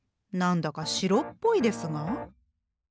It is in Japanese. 何だか白っぽいですが？